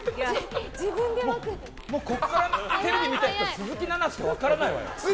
ここからテレビ見た人鈴木奈々って分からないわよ。